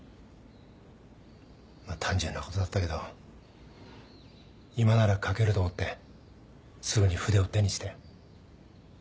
まあ単純なことだったけど今なら書けると思ってすぐに筆を手にしたよ。